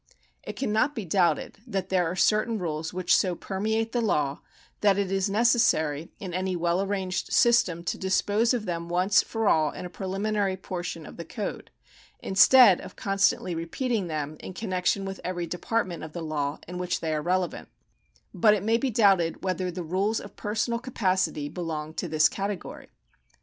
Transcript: It cannot be doubted that there are certain rules which so permeate the law, that it is necessary in any well arranged system to dispose of them once for all in a preUminary portion of the code, instead of constantly repeating them in con nexion with every department of the law in which they are relevant ; but it may be doubted whether the rules of personal capacity belong to this category.